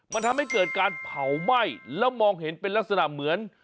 มันทำให้เกิดการเผาไหม้แล้วมองเห็นเป็นลักษณะเหมือน